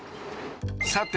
さて